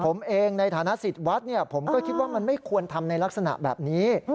ผมเองในฐานะสิทธิ์วัดผมก็คิดว่ามันไม่ควรทำในลักษณะแบบนี้